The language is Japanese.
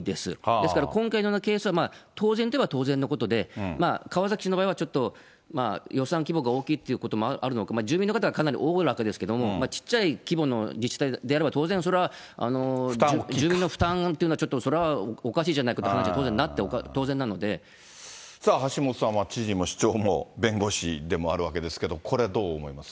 ですから今回のようなケースは、当然と言えば当然のことで、川崎市の場合はちょっと予算規模が大きいっていうこともあるのか、住民の方はかなりおおらかですけど、ちっちゃい規模の自治体であれば、当然、住民の負担というのは、ちょっとそれはおかしいじゃないかという気持ちに当然なって、さあ、橋下さんは知事も市長も弁護士でもあるわけですけれども、これどう思います？